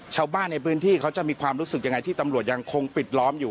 ชาวบ้านในพื้นที่เขาจะมีความรู้สึกยังไงที่ตำรวจยังคงปิดล้อมอยู่